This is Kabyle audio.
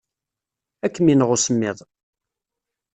Ad kem-ineɣ usemmiḍ.